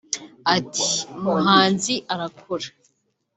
Ati “Umuhanzi arakura